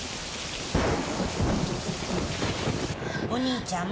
お兄ちゃん